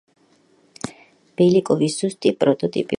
ბელიკოვის ზუსტი პროტოტიპი უცნობია.